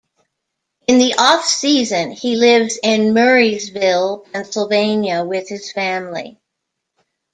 In the offseason, he lives in Murrysville, Pennsylvania with his family.